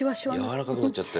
やわらかくなっちゃって。